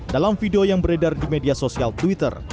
dalam video yang beredar di media sosial twitter